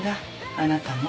あなたも。